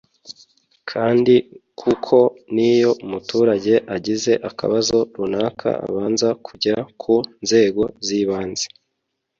kandi kuko n’iyo umuturage agize akabazo runaka abanza kujya ku nzego z’ibanze